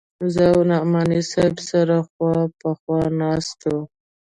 زه او نعماني صاحب سره خوا په خوا ناست وو.